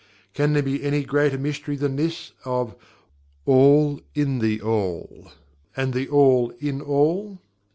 Can there be any greater mystery than this of "All in THE ALL; and THE ALL in All?"